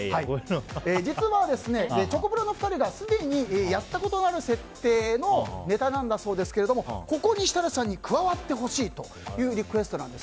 実は、チョコプラの２人がすでにやったことのある設定のネタなんだそうですがここに設楽さんに加わってほしいというリクエストです。